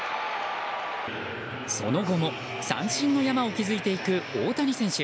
その後も三振を山を築いていく大谷選手。